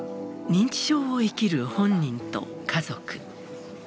認知症を生きる本人と家族。